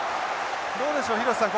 どうでしょう廣瀬さん。